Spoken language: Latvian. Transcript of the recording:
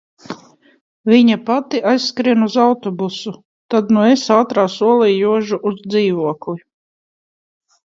Viņa pati aizskrien uz autobusu. Tad nu es ātrā solī jožu uz dzīvokli.